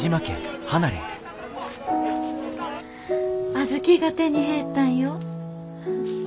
小豆が手に入ったんよ。